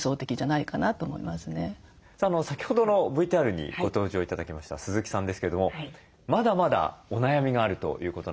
先ほどのＶＴＲにご登場頂きました鈴木さんですけどもまだまだお悩みがあるということなんです。